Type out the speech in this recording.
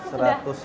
ini aku sudah